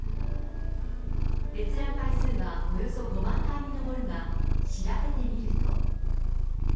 閲覧回数はおよそ５万回に上るが、調べてみると。